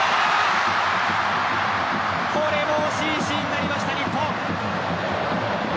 これも惜しいシーンになりました日本。